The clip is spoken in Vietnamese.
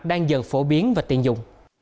đang dần phổ biến và tiện dụng